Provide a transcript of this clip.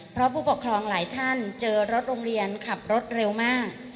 เพราะผู้ปกครองหลายท่านเจอรถโรงเรียนขับรถเร็วมาก